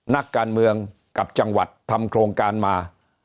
นักการเมืองกับจังหวัดทำโครงการมา